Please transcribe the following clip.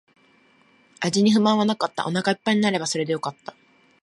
味に不満はなかった。お腹一杯になればそれでよかった。